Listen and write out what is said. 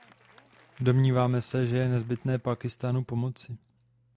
Domníváme se, že je nezbytné Pákistánu pomoci.